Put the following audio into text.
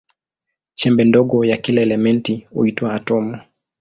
Chembe ndogo ya kila elementi huitwa atomu.